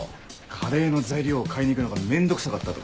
カレーの材料を買いに行くのが面倒くさかったと。